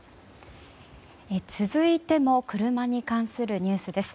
続いても車に関するニュースです。